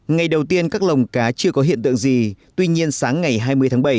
ngày đầu tiên các lồng cá chưa có hiện tượng gì tuy nhiên sáng ngày hai mươi tháng bảy